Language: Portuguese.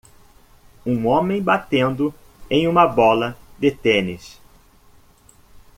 Um homem batendo em uma bola de tênis.